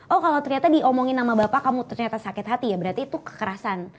oh kalau ternyata diomongin sama bapak kamu ternyata sakit hati ya berarti itu kekerasan